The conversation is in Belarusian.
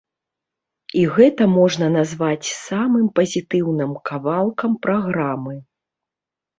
І гэта можна назваць самым пазітыўным кавалкам праграмы.